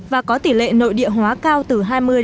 và có tỷ lệ nội địa hóa cao từ hai mươi sáu mươi